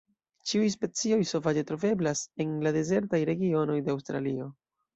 Ĉiuj specioj sovaĝe troveblas en la dezertaj regionoj de Aŭstralio.